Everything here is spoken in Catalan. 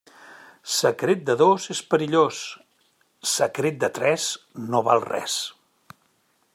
Secret de dos, és perillós; secret de tres, no val res.